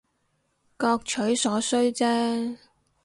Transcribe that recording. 各取所需姐